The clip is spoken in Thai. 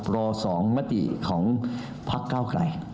รอ๒มติของพักเก้าไกล